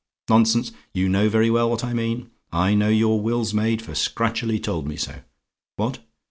Nonsense; you know very well what I mean. I know your will's made, for Scratcherly told me so. What?